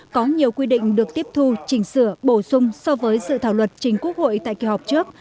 có nhiều quy định được tiếp thu chỉnh sửa bổ sung so với dự thảo luật chính quốc hội tại kỳ họp trước